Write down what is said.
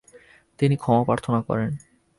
তিনি ক্ষমা প্রার্থনা করেন।